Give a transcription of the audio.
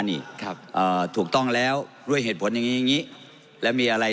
นี่ครับเอ่อถูกต้องแล้วด้วยเหตุผลอย่างงีอย่างงี้แล้วมีอะไร